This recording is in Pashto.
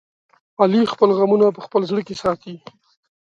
علي خپل غمونه په خپل زړه کې ساتي.